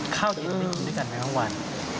ข้าวเย็นได้กินด้วยกันไหมครับว่าน